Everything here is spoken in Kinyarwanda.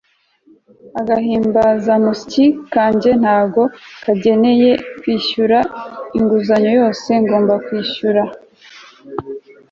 agahimbazamusyi kanjye ntago kegereye kwishyura inguzanyo zose ngomba kwishyura